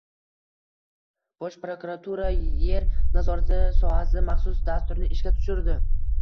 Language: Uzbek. Bosh prokuratura yer nazorati sohasida maxsus dasturni ishga tushirdi